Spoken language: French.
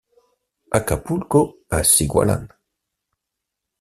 Acapulco à Cigualan